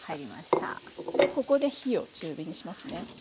ここで火を中火にしますね。